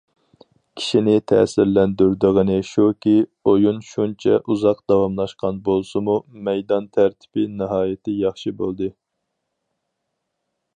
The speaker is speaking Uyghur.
كىشىنى تەسىرلەندۈرىدىغىنى شۇكى، ئويۇن شۇنچە ئۇزاق داۋاملاشقان بولسىمۇ، مەيدان تەرتىپى ناھايىتى ياخشى بولدى.